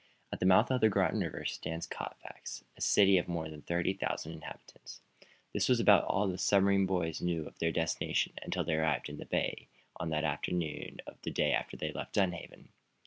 At the mouth of the Groton river stands Colfax, a city of more than thirty thousand inhabitants. This was about all that the submarine boys knew of their destination, until they arrived in the bay on the afternoon of the day after they left, Dunhaven.